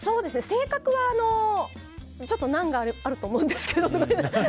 性格は、ちょっと難があると思うんですけど。